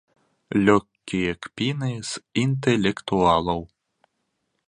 Лёгкія кпіны з інтэлектуалаў.